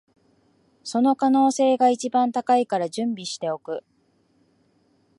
その可能性が一番高いから準備しておく